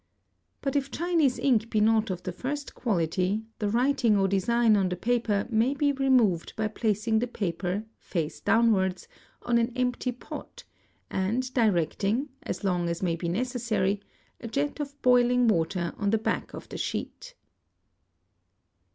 But if Chinese ink be not of the first quality the writing or design on the paper may be removed by placing the paper, face downwards, on an empty pot, and directing, as long as may be necessary, a jet of boiling water on the back of the sheet.